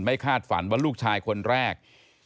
คาดฝันว่าลูกชายคนแรก